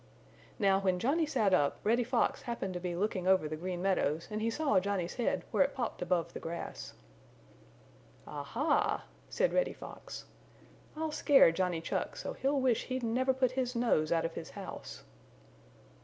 Now, when Johnny sat up, Reddy Fox happened to be looking over the Green Meadows and he saw Johnny's head where it popped above the grass. "Aha!" said Reddy Fox, "I'll scare Johnny Chuck so he'll wish he'd never put his nose out of his house."